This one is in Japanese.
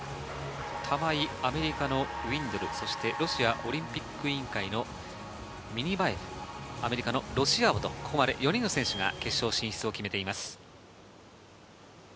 玉井、アメリカのウィンドル、そしてロシアオリンピック委員会のミニバエフ、アメリカのロシアーボとここまで４人の選手が決勝進出を決めています。